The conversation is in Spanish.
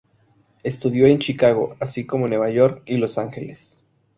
Estudió en Chicago, así como en Nueva York y Los Ángeles.